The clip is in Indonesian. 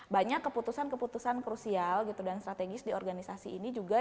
banyak keputusan keputusan krusial gitu dan strategis di organisasi ini juga